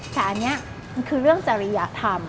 แต่อันเนี่ยคือเรื่องจริยะธรรม